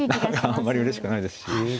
あんまりうれしくないですし。